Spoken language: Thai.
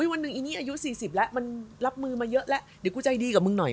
วันหนึ่งอีนี่อายุ๔๐แล้วมันรับมือมาเยอะแล้วเดี๋ยวกูใจดีกับมึงหน่อย